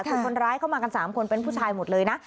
ถูกคนร้ายเข้ามากัน๓คนเป็นผู้ชายหมดเลยนะ